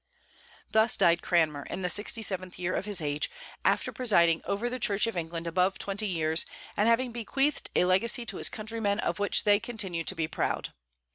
'" Thus died Cranmer, in the sixty seventh year of his age, after presiding over the Church of England above twenty years, and having bequeathed a legacy to his countrymen of which they continue to be proud.